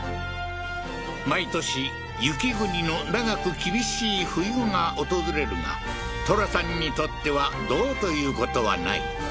毎年雪国の長く厳しい冬が訪れるがトラさんにとってはどうということはない